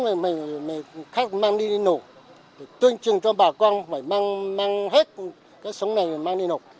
thì mình khách mang đi nổ tuyên trình cho bà con phải mang hết cái sống này mang đi nổ